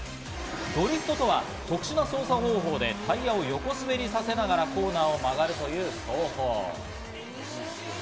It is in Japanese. ドリフトとは特殊な操作方法でタイヤを横滑りさせながらコーナーを曲がるという走法。